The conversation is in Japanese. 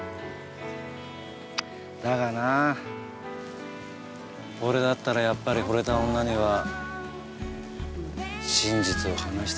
だがな俺だったらやっぱり惚れた女には真実を話してほしいと思うな。